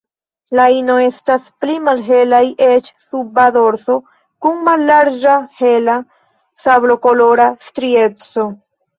La ino estas pli malhelaj ĉe suba dorso kun mallarĝa hela sablokolora strieco.